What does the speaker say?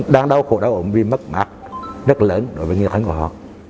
đang đau khổ đau ổn vì mất mát rất lớn đối với người thân của họ